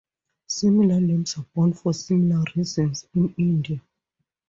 Similar names are borne for similar reasons in India.